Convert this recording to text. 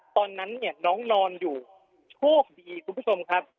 ตอนนั้นเนี่ยน้องนอนอยู่โชคดีคุณผู้ชมครับ